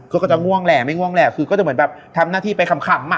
ก็ก็จะง่วงแหละไม่ง่วงแหละคือก็จะเหมือนแบบทำหน้าที่ไปขำอ่ะ